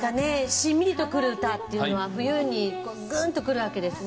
しんみりとくる歌っていうのは冬にグンとくるわけですね。